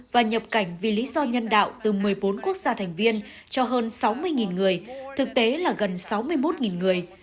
và nhập cảnh vì lý do nhân đạo từ một mươi bốn quốc gia thành viên cho hơn sáu mươi người thực tế là gần sáu mươi một người